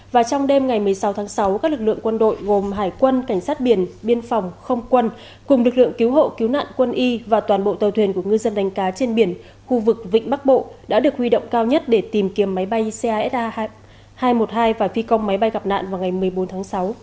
và trong đêm ngày một mươi sáu tháng sáu các lực lượng quân đội gồm hải quân cảnh sát biển biên phòng không quân cùng lực lượng cứu hộ cứu nạn quân y và toàn bộ tàu thuyền của ngư dân đánh cá trên biển khu vực vịnh bắc bộ đã được huy động cao nhất để tìm kiếm máy bay sa hai trăm một mươi hai và phi công máy bay gặp nạn vào ngày một mươi bốn tháng sáu